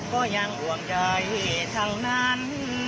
ก็ยังห่วงใยทั้งนั้น